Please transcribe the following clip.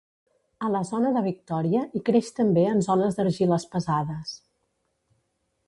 A la zona de Victòria hi creix també en zones d'argiles pesades.